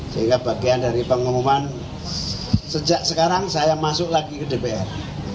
sehingga bagian dari pengumuman sejak sekarang saya masuk lagi ke dpr